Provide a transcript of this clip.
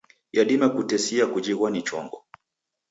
Yadima kutesia kujighwa ni chongo.